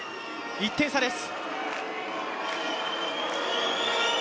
１点差です。